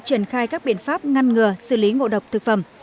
triển khai các biện pháp ngăn ngừa xử lý ngộ độc thực phẩm